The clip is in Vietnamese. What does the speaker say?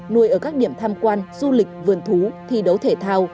nuôi ở các điểm tham quan du lịch vườn thú thi đấu thể thao